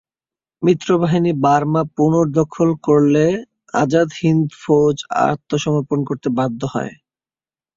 মিত্রবাহিনী Burma পুনর্দখল করলে আজাদ হিন্দ ফৌজ আত্মসমপর্ণ করতে বাধ্য হয়।